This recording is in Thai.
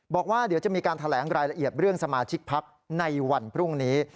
บอกว่าเดี๋ยวจะมีการแถลงรายละเอียดเรื่องสมาชิกพักในวันพรุ่งนี้